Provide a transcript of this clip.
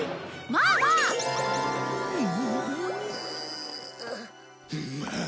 まあまあ。